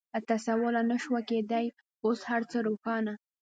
تصور لا نه شوای کېدای، اوس هر څه روښانه.